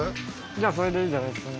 じゃあそれでいいんじゃないですかね？